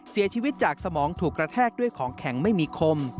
เสียชีวิตจากสมองถูกกระแทกด้วยของแข็งไม่มีคม